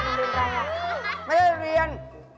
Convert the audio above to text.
นอนเนนดารา